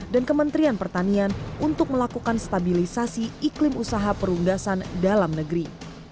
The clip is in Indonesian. dan kementerian pertanian untuk melakukan stabilisasi iklim usaha perundasan dalam negeri